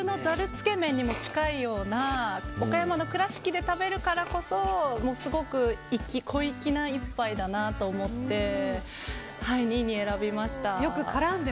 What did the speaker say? つけ麺にも近いような、岡山の倉敷で食べるからこそ小粋な一杯だなと思って２位に選びました。